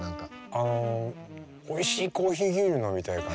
あのおいしいコーヒー牛乳飲みたい感じ。